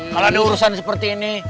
kalau ada urusan seperti ini